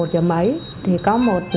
một mươi một giờ mấy thì có một